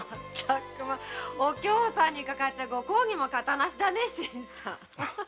お京さんにかかっちゃ御公儀も形なしだね新さん。